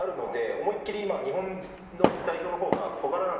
思いっきり今日本の代表の方が小柄なんですよ